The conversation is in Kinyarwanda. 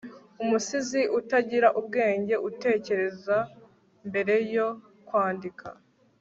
Umusizi utagira ubwenge utekereza mbere yo kwandika